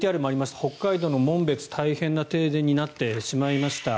北海道の紋別大変な停電になってしまいました。